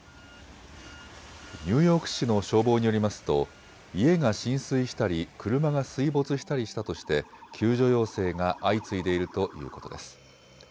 ニューヨーク市の消防によりますと家が浸水したり車が水没したりしたとして救助要請が相次いでいるということです。